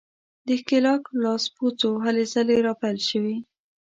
د ښکېلاک لاسپوڅو هلې ځلې راپیل شوې.